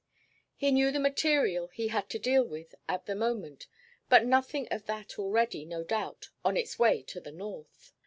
He knew the material he had to deal with at the moment, but nothing of that already, no doubt, on its way to the north.